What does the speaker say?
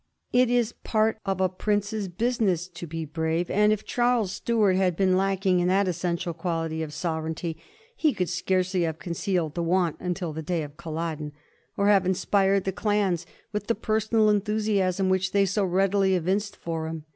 It is part of a prince's business to be brave, and if Charles Stuart had been lack ing in that essential quality of sovereignty he could scarce ly have concealed the want until the day of Culloden, or have inspired the clans with the personal enthusiasm which they so readily evinced for him.